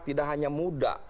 tidak hanya muda